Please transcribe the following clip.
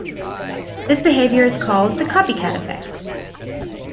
This behavior is called the "copycat effect".